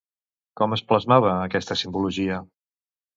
Com es plasmava aquesta simbologia?